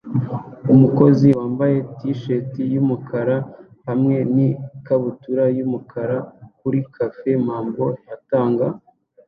Umukozi wambaye T-shati yumukara hamwe n ikabutura yumukara kuri Cafe Mambo atanga